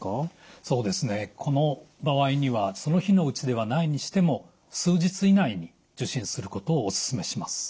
そうですねこの場合にはその日のうちではないにしても数日以内に受診することをおすすめします。